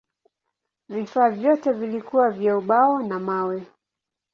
Vifaa vyote vilikuwa vya ubao na mawe.